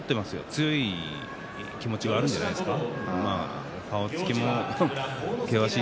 強い気持ちはあるんじゃないですか？